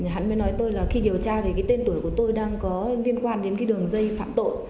hắn mới nói tôi là khi điều tra thì cái tên tuổi của tôi đang có liên quan đến cái đường dây phạm tội